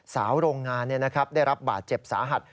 สาวโรงงานได้รับบาดเจ็บสาหัส